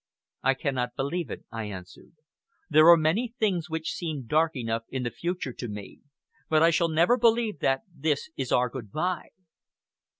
"I cannot believe it," I answered. "There are many things which seem dark enough in the future to me, but I shall never believe that this is our good bye."